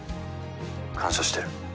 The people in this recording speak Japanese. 感謝してる。